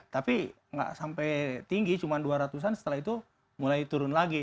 tapi nggak sampai tinggi cuma dua ratus an setelah itu mulai turun lagi